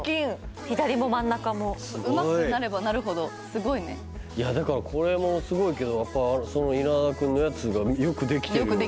左も真ん中もうまくなればなるほどすごいねだからこれもすごいけどやっぱその稲田君のやつがよくできてるよね